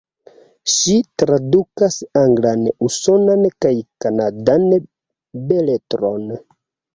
Ŝi tradukas anglan, usonan kaj kanadan beletron.